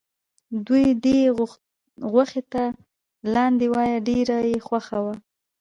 دوی دې غوښې ته لاندی وایه ډېره یې خوښه وه.